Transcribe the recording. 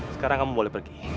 sekarang kamu boleh pergi